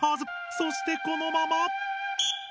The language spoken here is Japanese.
そしてこのまま。